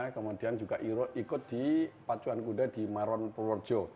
kemudian juga ikut di pacuan kuda di maron purworejo